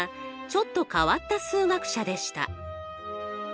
ちょっと変わった数学者でした。